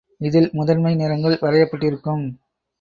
இதில் முதன்மை நிறங்கள் வரையப்பட்டிருக்கும்.